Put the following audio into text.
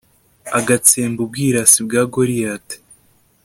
agatsemba ubwirasi bwa goliyati